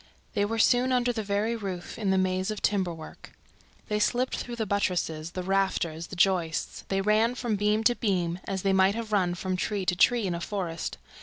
They were soon under the very roof, in the maze of timber work. They slipped through the buttresses, the rafters, the joists; they ran from beam to beam as they might have run from tree to tree in a forest.